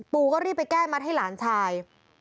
ก็รีบไปแก้มัดให้หลานชาย